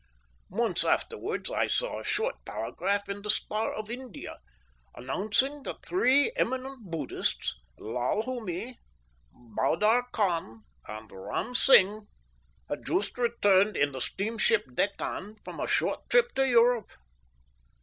Months afterwards I saw a short paragraph in the Star of India announcing that three eminent Buddhists Lal Hoomi, Mowdar Khan, and Ram Singh had just returned in the steamship Deccan from a short trip to Europe.